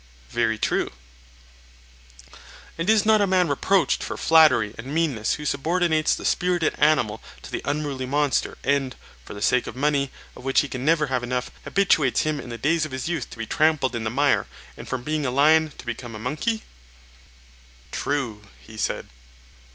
Very true. And is not a man reproached for flattery and meanness who subordinates the spirited animal to the unruly monster, and, for the sake of money, of which he can never have enough, habituates him in the days of his youth to be trampled in the mire, and from being a lion to become a monkey? True, he said.